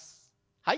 はい。